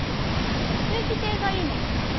通気性がいいもの。